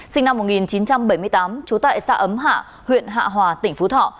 sinh năm một nghìn chín trăm bảy mươi tám trú tại xã ấm hạ huyện hạ hòa tỉnh phú thọ